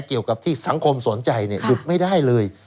เกี่ยวกับที่สังคมสนใจหยุดไม่ได้เลย